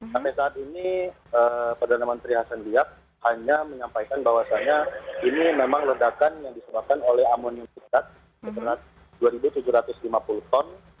sampai saat ini perdana menteri hasan liak hanya menyampaikan bahwasannya ini memang ledakan yang disebutkan oleh amon yusuf zad dua ribu tujuh ratus lima puluh ton